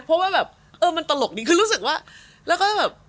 เพราะว่าแบบเออมันตลกดีคือรู้สึกว่าแล้วก็แบบ